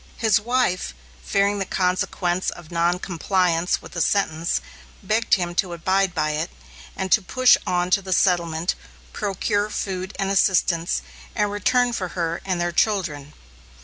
His wife, fearing the consequence of noncompliance with the sentence, begged him to abide by it, and to push on to the settlement, procure food and assistance, and return for her and their children.